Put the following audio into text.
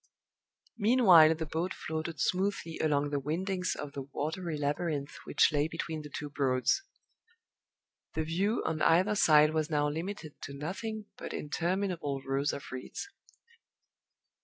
Meanwhile the boat floated smoothly along the windings of the watery labyrinth which lay between the two Broads. The view on either side was now limited to nothing but interminable rows of reeds.